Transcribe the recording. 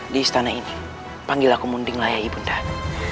di istana ini panggil aku munding laya ibu undah